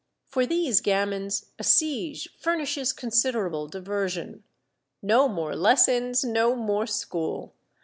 For these gamins a siege furnishes considerable diversion. No more lessons, no more school